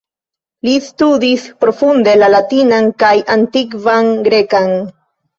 Li studis profunde la latinan kaj antikvan grekan.